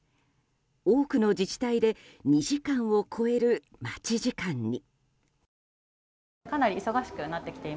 多くの自治体で２時間を超える待ち時間に。